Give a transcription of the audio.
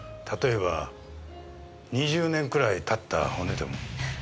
例えば２０年くらい経った骨でも。